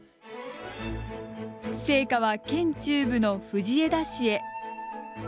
聖火は県中部の藤枝市へ。